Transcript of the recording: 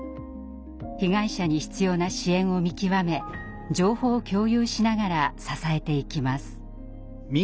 被害者に必要な支援を見極め情報を共有しながら支えていきます。